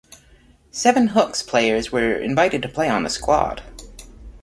Seven Hooks players were invited to play on the squad.